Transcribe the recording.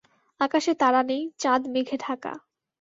আকাশে তারা নেই, চাঁদ মেঘে ঢাকা।